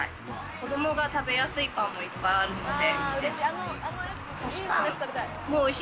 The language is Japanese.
子どもが食べやすいパンもいっぱいあるので。